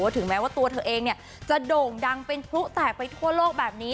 ถึงแม้ว่าตัวเธอเองจะโด่งดังเป็นพลุแตกไปทั่วโลกแบบนี้